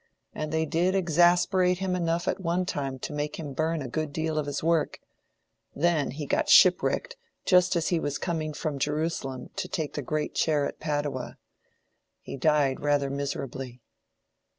And they did exasperate him enough at one time to make him burn a good deal of his work. Then he got shipwrecked just as he was coming from Jerusalem to take a great chair at Padua. He died rather miserably."